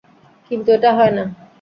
কিন্তু এটা হয় না।